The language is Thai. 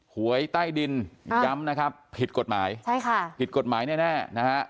หวยใต้ดินย้ำนะครับผิดกฎหมายใช่ค่ะผิดกฎหมายแน่นะฮะ